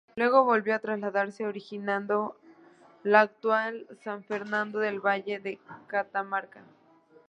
Luego volvió a trasladarse originando la actual San Fernando del Valle de Catamarca.